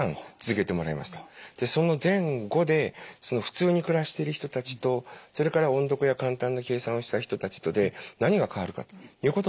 その前後で普通に暮らしている人たちとそれから音読や簡単な計算をした人たちとで何が変わるかということを調べました。